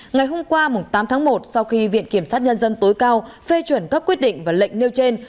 ngày hôm qua tám tháng một sau khi viện kiểm sát nhân dân tối cao phê chuẩn các quyết định và lệnh nêu trên